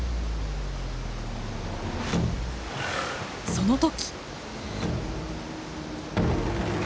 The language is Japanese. その時。